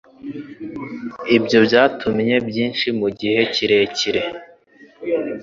Ibyo byantwaye byinshi mugihe kirekire.